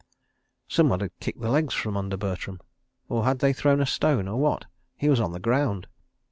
... Someone had kicked his legs from under Bertram—or had they thrown a stone—or what? He was on the ground.